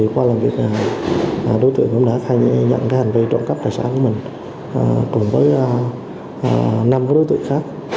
qua làm việc đối tượng cũng đã nhận hành vi trộn cấp tài sản của mình cùng với năm đối tượng khác